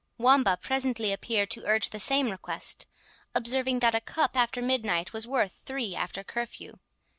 Wamba presently appeared to urge the same request, observing that a cup after midnight was worth three after curfew.